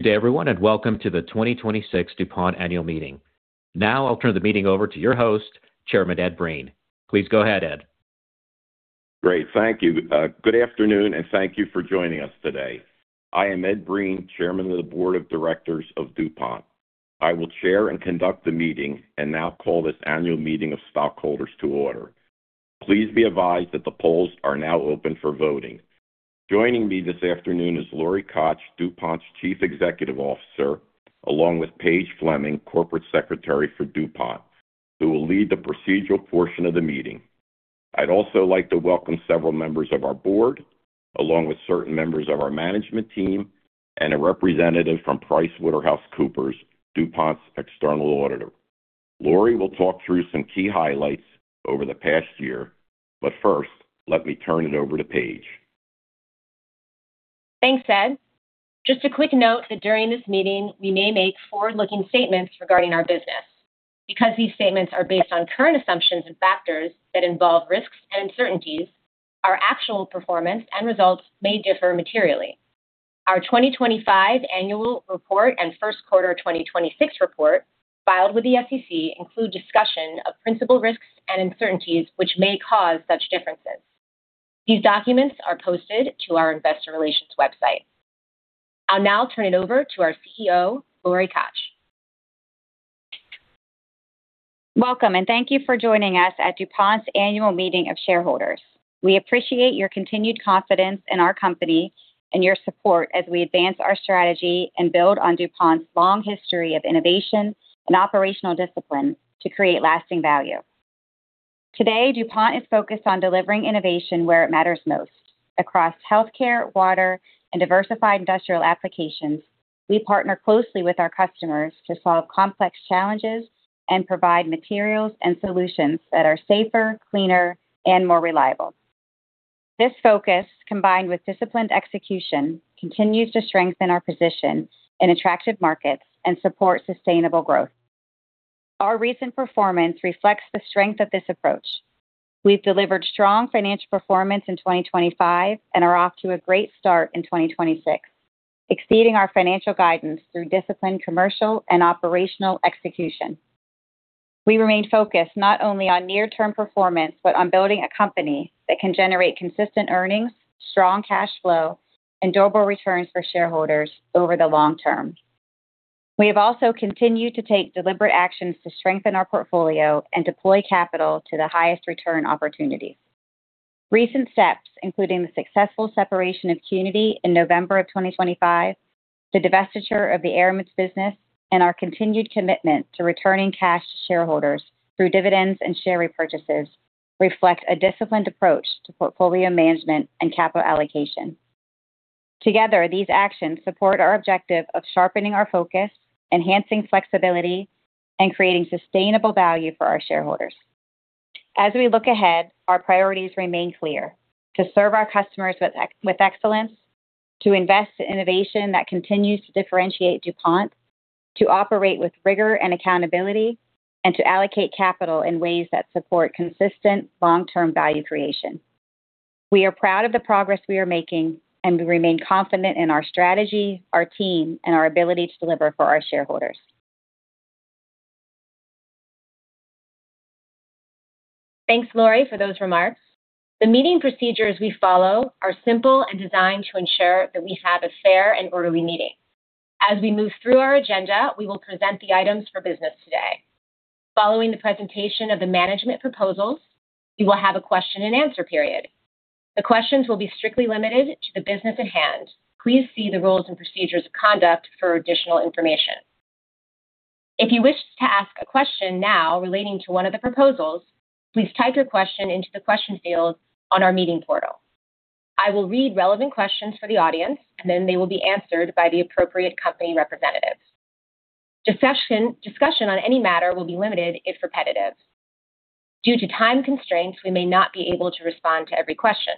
Good day, everyone, and welcome to the 2026 DuPont Annual Meeting. I'll turn the meeting over to your host, Chairman Ed Breen. Please go ahead, Ed. Great. Thank you. Good afternoon, thank you for joining us today. I am Ed Breen, Chairman of the Board of Directors of DuPont. I will chair and conduct the meeting and now call this annual meeting of stockholders to order. Please be advised that the polls are now open for voting. Joining me this afternoon is Lori Koch, DuPont's Chief Executive Officer, along with Paige Fleming, Corporate Secretary for DuPont, who will lead the procedural portion of the meeting. I'd also like to welcome several members of our board, along with certain members of our management team, and a representative from PricewaterhouseCoopers, DuPont's external auditor. Lori will talk through some key highlights over the past year, but first, let me turn it over to Paige. Thanks, Ed. Just a quick note that during this meeting, we may make forward-looking statements regarding our business. Because these statements are based on current assumptions and factors that involve risks and uncertainties, our actual performance and results may differ materially. Our 2025 annual report and first quarter 2026 report, filed with the SEC, include discussion of principal risks and uncertainties which may cause such differences. These documents are posted to our investor relations website. I'll now turn it over to our CEO, Lori Koch. Welcome, thank you for joining us at DuPont's annual meeting of shareholders. We appreciate your continued confidence in our company and your support as we advance our strategy and build on DuPont's long history of innovation and operational discipline to create lasting value. Today, DuPont is focused on delivering innovation where it matters most. Across healthcare, water, and diversified industrial applications, we partner closely with our customers to solve complex challenges and provide materials and solutions that are safer, cleaner, and more reliable. This focus, combined with disciplined execution, continues to strengthen our position in attractive markets and support sustainable growth. Our recent performance reflects the strength of this approach. We've delivered strong financial performance in 2025 and are off to a great start in 2026, exceeding our financial guidance through disciplined commercial and operational execution. We remain focused not only on near-term performance, but on building a company that can generate consistent earnings, strong cash flow, and durable returns for shareholders over the long term. We have also continued to take deliberate actions to strengthen our portfolio and deploy capital to the highest return opportunities. Recent steps, including the successful separation of Qnity in November of 2025, the divestiture of the Air Products business, and our continued commitment to returning cash to shareholders through dividends and share repurchases, reflect a disciplined approach to portfolio management and capital allocation. Together, these actions support our objective of sharpening our focus, enhancing flexibility, and creating sustainable value for our shareholders. As we look ahead, our priorities remain clear. To serve our customers with excellence, to invest in innovation that continues to differentiate DuPont, to operate with rigor and accountability, and to allocate capital in ways that support consistent long-term value creation. We are proud of the progress we are making, and we remain confident in our strategy, our team, and our ability to deliver for our shareholders. Thanks, Lori, for those remarks. The meeting procedures we follow are simple and designed to ensure that we have a fair and orderly meeting. As we move through our agenda, we will present the items for business today. Following the presentation of the management proposals, we will have a question and answer period. The questions will be strictly limited to the business at hand. Please see the rules and procedures of conduct for additional information. If you wish to ask a question now relating to one of the proposals, please type your question into the question field on our meeting portal. I will read relevant questions for the audience, and then they will be answered by the appropriate company representatives. Discussion on any matter will be limited if repetitive. Due to time constraints, we may not be able to respond to every question.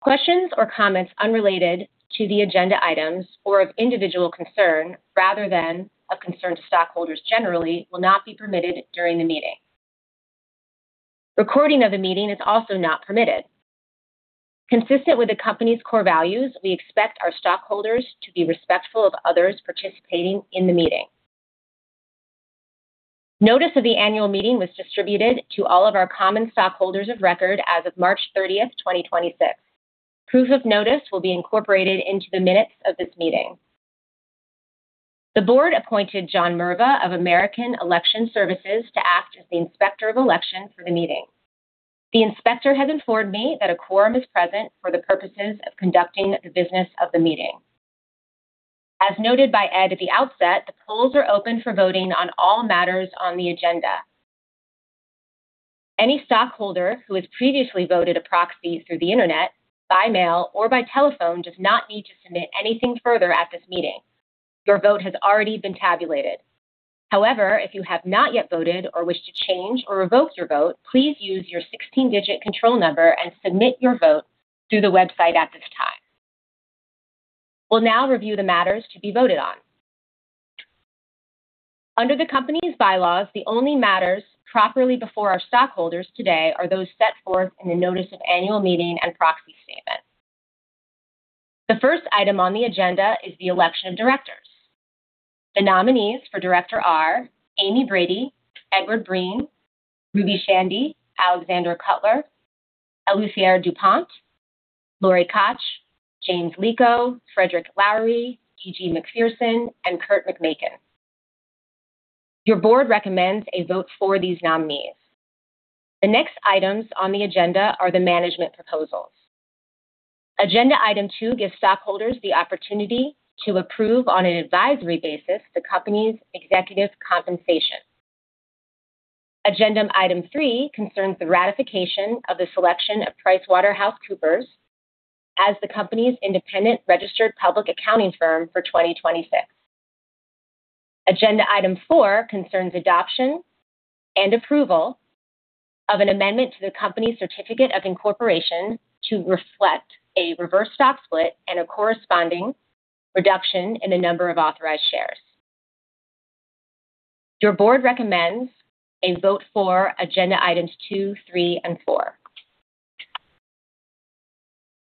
Questions or comments unrelated to the agenda items or of individual concern, rather than of concern to stockholders generally, will not be permitted during the meeting. Recording of the meeting is also not permitted. Consistent with the company's core values, we expect our stockholders to be respectful of others participating in the meeting. Notice of the annual meeting was distributed to all of our common stockholders of record as of March 30th, 2026. Proof of notice will be incorporated into the minutes of this meeting. The board appointed John Mirva of American Election Services to act as the Inspector of Election for the meeting. The inspector has informed me that a quorum is present for the purposes of conducting the business of the meeting. As noted by Ed at the outset, the polls are open for voting on all matters on the agenda. Any stockholder who has previously voted a proxy through the Internet, by mail, or by telephone does not need to submit anything further at this meeting. Your vote has already been tabulated. If you have not yet voted or wish to change or revoke your vote, please use your 16-digit control number and submit your vote through the website at this time. We'll now review the matters to be voted on. Under the company's bylaws, the only matters properly before our stockholders today are those set forth in the notice of annual meeting and proxy statement. The first item on the agenda is the election of directors. The nominees for director are Amy Brady, Edward Breen, Ruby Chandy, Alexander Cutler, Eleuthère du Pont, Lori Koch, James A. Lico, Frederick Lowery, D.G. Macpherson, and Kurt McMaken. Your board recommends a vote for these nominees. The next items on the agenda are the management proposals. Agenda item two gives stockholders the opportunity to approve on an advisory basis the company's executive compensation. Agenda item three concerns the ratification of the selection of PricewaterhouseCoopers as the company's independent registered public accounting firm for 2026. Agenda item four concerns adoption and approval of an amendment to the company's Certificate of Incorporation to reflect a reverse stock split, and a corresponding reduction in the number of authorized shares. Your board recommends a vote for agenda items two, three, and four.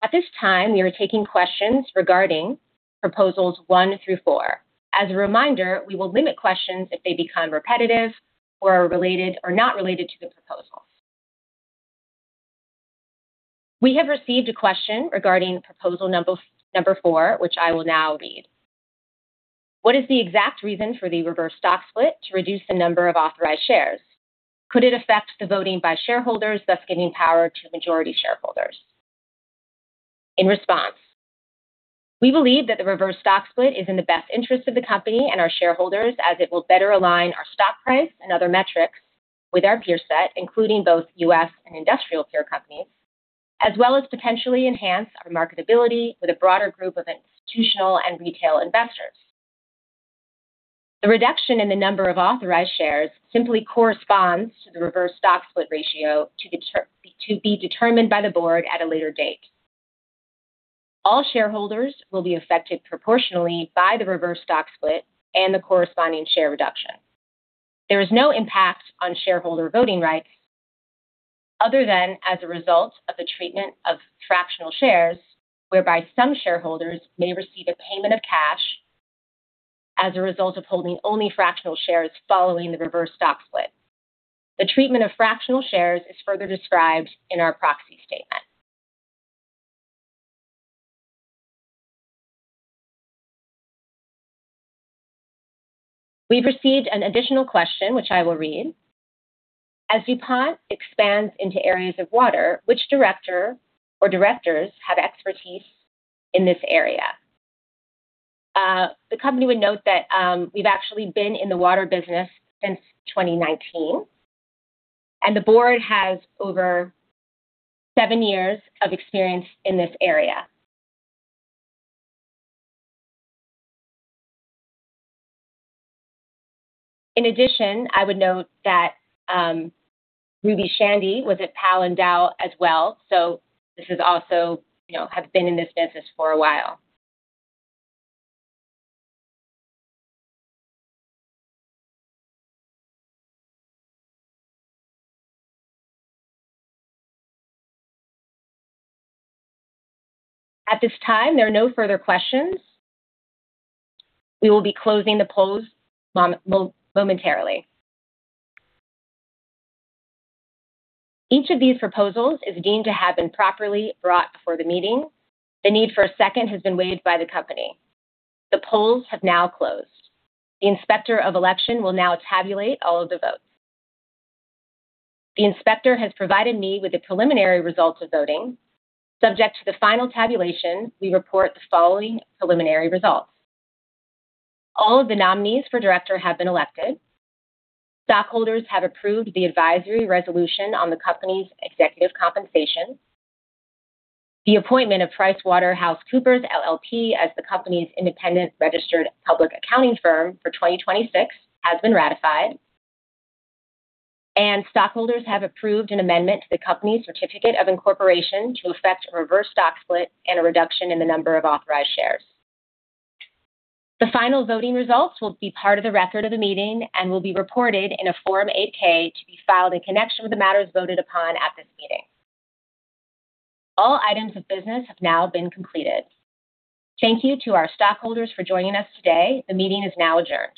At this time, we are taking questions regarding proposals one through four. As a reminder, we will limit questions if they become repetitive or are not related to the proposals. We have received a question regarding proposal number four, which I will now read. What is the exact reason for the reverse stock split to reduce the number of authorized shares? Could it affect the voting by shareholders, thus giving power to the majority shareholders? In response, we believe that the reverse stock split is in the best interest of the company and our shareholders, as it will better align our stock price and other metrics with our peer set, including both U.S. and industrial peer companies, as well as potentially enhance our marketability with a broader group of institutional and retail investors. The reduction in the number of authorized shares simply corresponds to the reverse stock split ratio to be determined by the board at a later date. All shareholders will be affected proportionally by the reverse stock split and the corresponding share reduction. There is no impact on shareholder voting rights other than as a result of the treatment of fractional shares, whereby some shareholders may receive a payment of cash as a result of holding only fractional shares following the reverse stock split. The treatment of fractional shares is further described in our proxy statement. We've received an additional question, which I will read. ''As DuPont expands into areas of water, which director or directors have expertise in this area?'' The company would note that we've actually been in the water business since 2019, and the board has over seven years of experience in this area. I would note that Ruby Chandy was at Pall and Dow as well, this is also have been in this business for a while. At this time, there are no further questions. We will be closing the polls momentarily. Each of these proposals is deemed to have been properly brought before the meeting. The need for a second has been waived by the company. The polls have now closed. The Inspector of Election will now tabulate all of the votes. The Inspector has provided me with the preliminary results of voting. Subject to the final tabulation, we report the following preliminary results. All of the nominees for director have been elected. Stockholders have approved the advisory resolution on the company's executive compensation. The appointment of PricewaterhouseCoopers LLP as the company's independent registered public accounting firm for 2026 has been ratified. Stockholders have approved an amendment to the company's Certificate of incorporation to effect a reverse stock split and a reduction in the number of authorized shares. The final voting results will be part of the record of the meeting and will be reported in a Form 8-K to be filed in connection with the matters voted upon at this meeting. All items of business have now been completed. Thank you to our stockholders for joining us today. The meeting is now adjourned.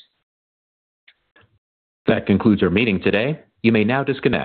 That concludes our meeting today. You may now disconnect.